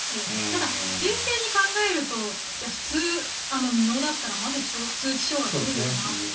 ただ、冷静に考えると普通、未納だったらまず通知書が来るよなとか。